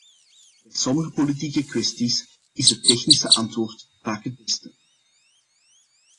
Bij sommige politieke kwesties is het technische antwoord vaak het beste.